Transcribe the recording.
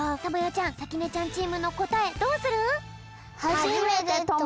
ちゃんさきねちゃんチームのこたえどうする？